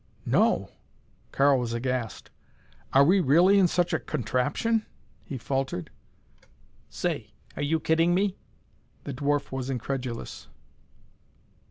"No!" Karl was aghast. "Are we really in such a contraption?" he faltered. "Say! Are you kidding me?" The dwarf was incredulous.